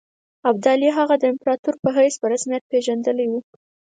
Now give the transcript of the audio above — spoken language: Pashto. ابدالي هغه د امپراطور په حیث په رسمیت پېژندلی وو.